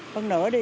phần nửa đi